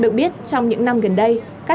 được biết trong những năm gần đây